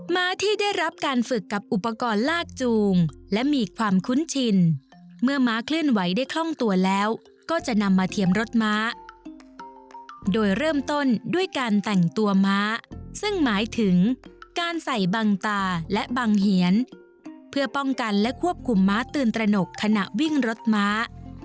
ม้าที่ได้รับการฝึกกับอุปกรณ์ลากจูงและมีความคุ้นชินเมื่อม้าเคลื่อนไหวได้คล่องตัวแล้วก็จะนำมาเทียมรถม้าโดยเริ่มต้นด้วยการแต่งตัวม้าซึ่งหมายถึงการใส่บังตาและบังเหียนเพื่อป้องกันและควบคุมม้าตื่นตระหนกขณะวิ่งรถม้า